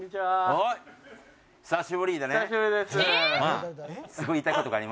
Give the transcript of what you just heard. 久しぶりです。